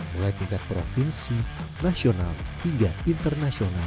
mulai tingkat provinsi nasional hingga internasional